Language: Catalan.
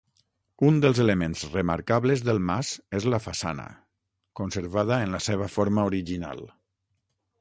Un dels elements remarcables del mas és la façana, conservada en la seva forma original.